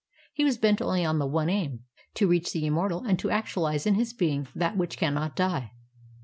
He was bent only on the one aim. to reach the immortal and to actualize in his being that which cannot die.